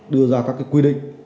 đưa ra các cái quy định